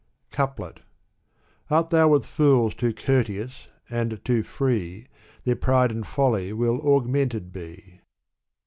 CoupUt. Art thou with fools too courteous and too free, Their pride and folly will augmented be.